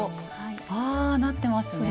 あなってますね。